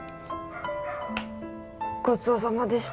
ごちそうさまでした。